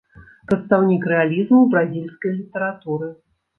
Прадстаўнік рэалізму ў бразільскай літаратуры.